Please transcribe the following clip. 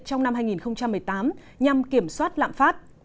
trong năm hai nghìn một mươi tám nhằm kiểm soát lạm phát